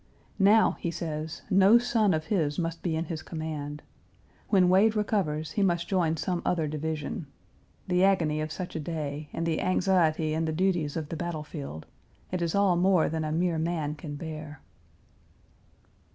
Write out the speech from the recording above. Now, he says, no son of his must be in his command. When Wade recovers, he must join some other division. The agony of such a day, and the anxiety and the duties of the battle field it is all more than a mere man can bear.